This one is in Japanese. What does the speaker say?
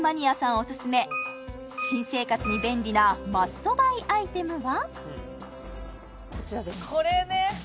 オススメ新生活に便利なマストバイアイテムは？